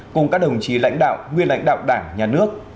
cùng các đồng chí lãnh đạo nguyên lãnh đạo đảng nhà nước